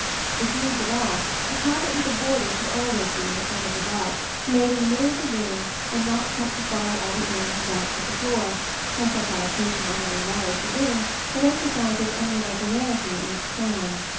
If used at all, a carpet with a border should always be in the form of a rug, laid in the middle of the room, and not cut to follow all the ins and outs of the floor, as such adaptation not only narrows the room but emphasizes any irregularity in its plan.